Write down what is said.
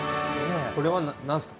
これは何すか？